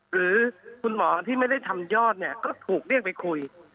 หรือคุณหมอที่ไม่ได้ทำยอดเนี่ยก็ถูกเรียกไปคุย